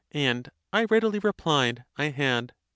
and I readily replied, Ihad.